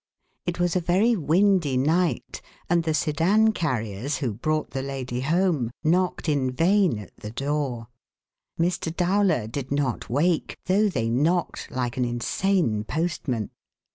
It was a very windy night and the sedan carriers, who brought the lady home, knocked in vain at the door. Mr. Dowler did not wake, though they knocked like an insane postman.